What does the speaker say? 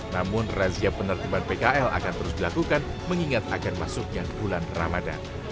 namun razia penertiban pkl akan terus dilakukan mengingat akan masuknya bulan ramadan